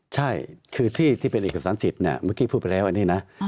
ใช่คือที่เป็นเอกสารสิทธิ์เนี่ยเมื่อกี้พูดไปแล้วอันนี้นะ